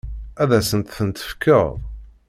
Ad asent-tent-tefkeḍ?